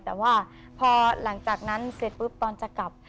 แต่ว่าพอหลังจากนั้นเสร็จปุ๊บตอนจะกลับ